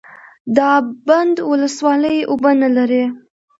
د اب بند ولسوالۍ اوبه لري